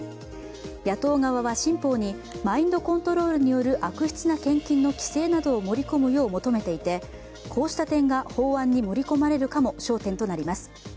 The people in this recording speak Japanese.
野党側は新法にマインドコントロールによる悪質な献金の規制などを盛り込むよう求めていて、こうした点が法案に盛り込まれるかも焦点となります。